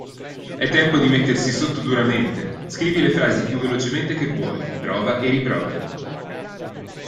È tempo di mettersi sotto duramente, scrivi le frasi più velocemente che puoi, prova e riprova.